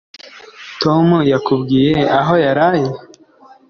Tom yakubwiye aho yaraye?